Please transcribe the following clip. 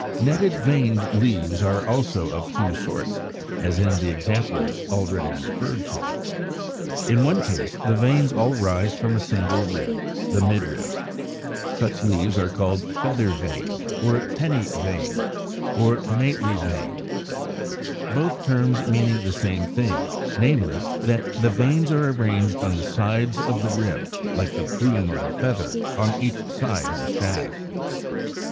131. Netted veined leaves are also of two sorts, as in the examples already referred to. In one case the veins all rise from a single rib (the midrib), as in Fig. 112, 116 127. Such leaves are called Feather veined or Penni veined, i. e. Pinnately veined; both terms meaning the same thing, namely, that the veins are arranged on the sides of the rib like the plume of a feather on each side of the shaft.